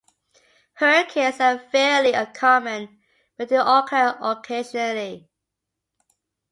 Hurricanes are fairly uncommon but do occur occasionally.